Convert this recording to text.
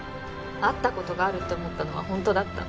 会った事があるって思ったのは本当だった。